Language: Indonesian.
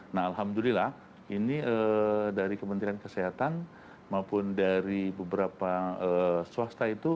nah alhamdulillah ini dari kementerian kesehatan maupun dari beberapa swasta itu